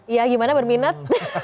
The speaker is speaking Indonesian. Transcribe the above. ya gimana berminat